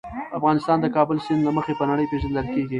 افغانستان د کابل سیند له مخې په نړۍ پېژندل کېږي.